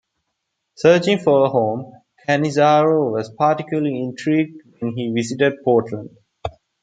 Searching for a home, Canizaro was particularly intrigued when he visited Portland.